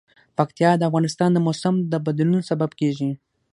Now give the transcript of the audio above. پکتیا د افغانستان د موسم د بدلون سبب کېږي.